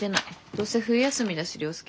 どうせ冬休みだし涼介。